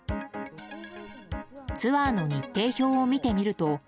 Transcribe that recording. ツアーの日程表を見てみると。